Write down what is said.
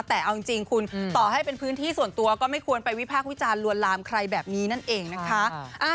แต่เอาจริงคุณต่อให้เป็นพื้นที่ส่วนตัวก็ไม่ควรไปวิพากษ์วิจารณ์ลวนลามใครแบบนี้นั่นเองนะคะ